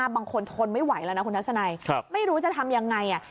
ทนไม่ไหวแล้วนะคุณทัศนัยไม่รู้จะทำยังไง